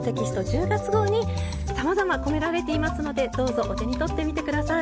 １０月号にさまざま込められていますのでどうぞお手に取ってみて下さい。